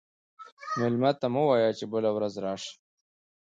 مېلمه ته مه وایه چې بله ورځ راشه.